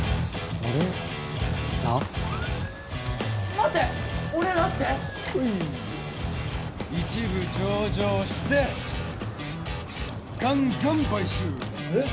待って俺らって？はいー一部上場してガンガン買収えっ？